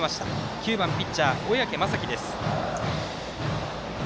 ９番ピッチャー、小宅雅己です。